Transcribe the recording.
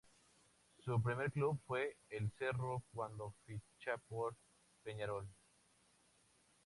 Su primer club fue el Cerro, cuando ficha por Peñarol.